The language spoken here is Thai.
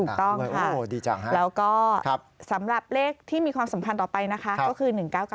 ถูกต้องแล้วก็สำหรับเลขที่มีความสัมพันธ์ต่อไปนะคะก็คือ๑๙๙